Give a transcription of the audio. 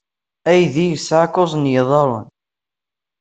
Aydi yesɛa kuẓ n yiḍarren.